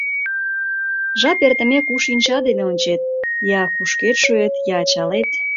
Жап эртымек, у шинча дене ончет — я кушкед шуэт, я ачалет.